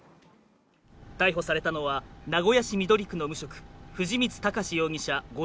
逮捕されたのは名古屋市緑区の無職藤光孝志容疑者